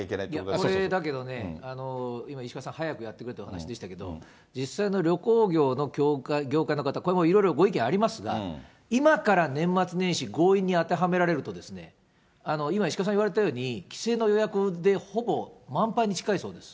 これ、だけどね、今、石川さん早くやってくれってお話でしたけど、実際の旅行業の業界の方、いろいろご意見ありますが、今から年末年始強引に当てはめられると、今、石川さん言われたように、帰省の予約でほぼ満杯に近いそうです。